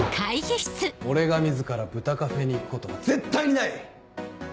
俺が自らブタカフェに行くことは絶対にない！